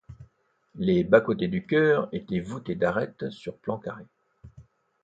Les bas-côtés du chœur étaient voûtés d'arêtes sur plan carré.